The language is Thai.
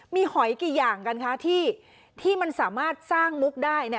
มีหอยกี่อย่างกันที่สามารถสร้างมุกได้เนี่ย